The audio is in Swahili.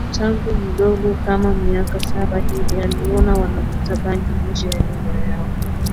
tangu mdogo kama miaka saba hivi aliona wanavuta bangi nje ya nyumba yao